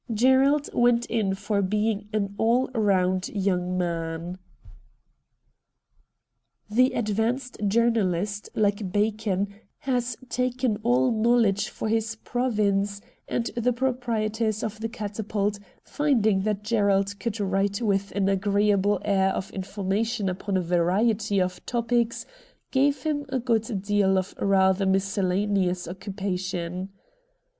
Gerald went in for being an all round young man. 28 RED DIAMONDS The advanced journalist, like Bacon, has taken all knowledge for his province, and the proprietors of the ' Catapult,' finding that Gerald could write with an agreeable air of information upon a variety of topics, gave him a good deal of rather miscellaneous occu pation.